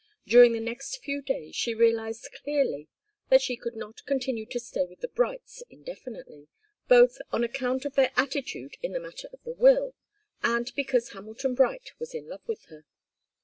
During the next few days she realized clearly that she could not continue to stay with the Brights indefinitely, both on account of their attitude in the matter of the will, and because Hamilton Bright was in love with her.